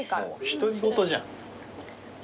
独り言じゃん。